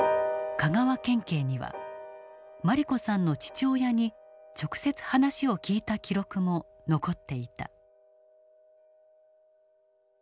香川県警には茉莉子さんの父親に直接話を聞いた記録も残っていた。